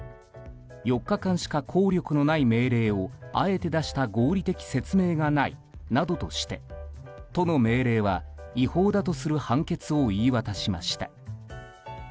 ４日間しか効力のない命令をあえて出した合理的説明がないなどとして都の命令は違法だとする判決を言い渡しました。